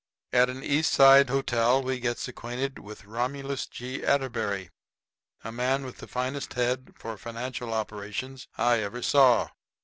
At an East Side hotel we gets acquainted with Romulus G. Atterbury, a man with the finest head for financial operations I ever saw.